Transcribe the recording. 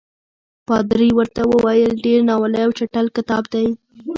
پادري ورته وویل ډېر ناولی او چټل کتاب دی.